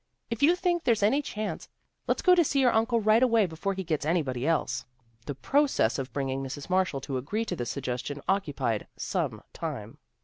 If you think there's any chance, let's go to see your uncle right away before he gets anybody else." The process of bringing Mrs. Marshall to agree to this suggestion occupied some time.